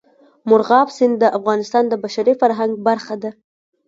مورغاب سیند د افغانستان د بشري فرهنګ برخه ده.